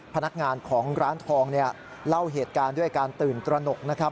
พนักงานของร้านทองเนี่ยเล่าเหตุการณ์ด้วยการตื่นตระหนกนะครับ